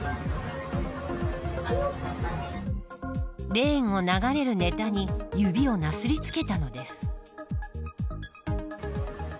レーンを流れるネタに指をなすりつけたのです。